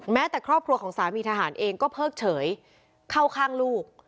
แม้แต่ครอบครัวของสามีทหารเองก็เพิกเฉยเข้าข้างลูก